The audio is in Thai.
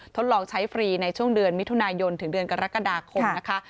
ทดลองใช้ฟรีในช่วงเดือนมิถุนายนถึงเดือนกรกฎาคมนะคะ